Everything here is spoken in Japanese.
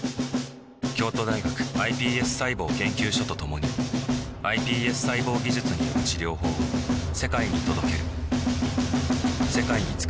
京都大学ｉＰＳ細胞研究所と共にｉＰＳ細胞技術による治療法を世界に届けるおぉ・おぅ！